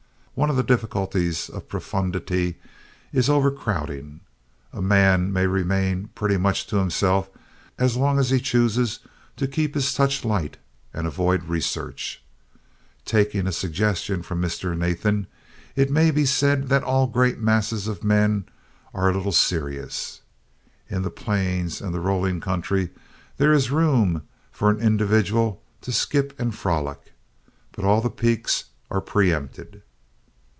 One of the difficulties of profundity is overcrowding. A man may remain pretty much to himself as long as he chooses to keep his touch light and avoid research. Taking a suggestion from Mr. Nathan, it may be said that all great masses of men are a little serious. In the plains and the rolling country there is room for an individual to skip and frolic, but all the peaks are pre empted.